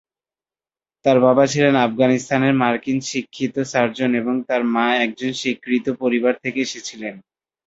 তার বাবা ছিলেন আফগানিস্তানের মার্কিন শিক্ষিত সার্জন এবং তার মা একজন স্বীকৃত পরিবার থেকে এসেছিলেন।